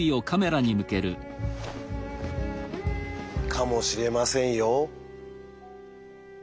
かもしれませんよ。